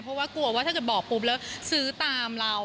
เพราะว่ากลัวว่าถ้าเกิดบอกปุ๊บแล้วซื้อตามเรา